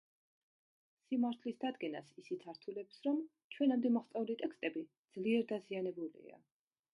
სიმართლის დადგენას ისიც ართულებს რომ ჩვენამდე მოღწეული ტექსტები ძლიერ დაზიანებულია.